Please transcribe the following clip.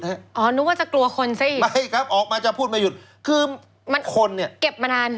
อ๋อนึกว่าจะกลัวคนซะอีกไม่ครับออกมาจะพูดไม่หยุดคือมันคนเนี่ยเก็บมานาน